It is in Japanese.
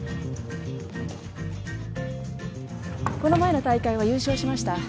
この前の大会は優勝しました